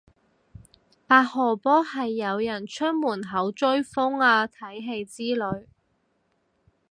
八號波係有人出門口追風啊睇戲之類